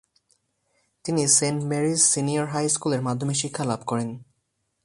তিনি Saint Mary's senior high স্কুলে মাধ্যমিক শিক্ষা লাভ করেন।